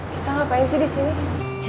kita ngapain sih disini